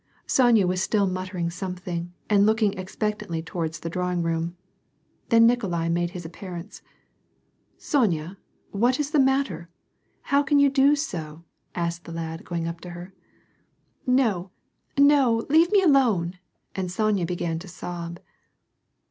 Sonya was still muttering something, and looked expect antly toward the drawing room. Then Nikolai made his appearance. " Sonya ! what is the matter ? How can you do so ?" asked the lad, going up to her. " No, no, leave me alone I " and Sonya began to sob.